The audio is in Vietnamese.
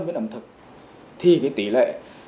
với ẩm thực thì cái tỉ lệ